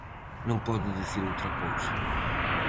Non podo dicir outra cousa.